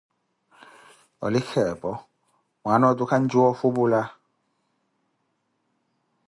Olikha epo, mwaana otu khancuya ofupula.